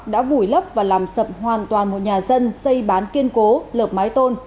đã vùi lấp và làm sập hoàn toàn một nhà dân xây bán kiên cố lợp mái tôn